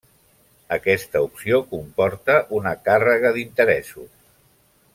Aquesta opció comporta una càrrega d'interessos.